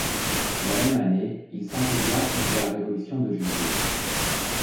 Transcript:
La même année, il s'enthousiasme pour la révolution de juillet.